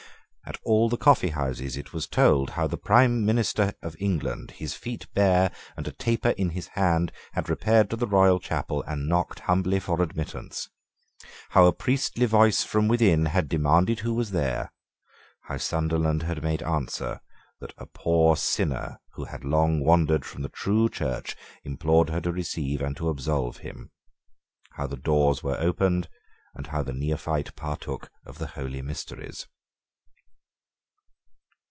At all the coffeehouses it was told how the prime minister of England, his feet bare, and a taper in his hand, had repaired to the royal chapel and knocked humbly for admittance; how a priestly voice from within had demanded who was there, how Sunderland had made answer that a poor sinner who had long wandered from the true Church implored her to receive and to absolve him; how the doors were opened; and how the neophyte partook of the holy mysteries.